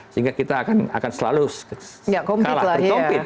sehingga kita akan selalu kalah berkompit